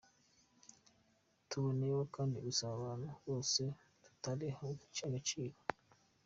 Tuboneyeho kandi gusaba abantu bose kutariha agaciro.”